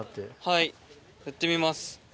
はいやってみます。